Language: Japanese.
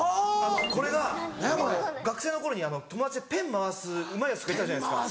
これが学生の頃に友達でペン回すうまいヤツとかいたじゃないですか。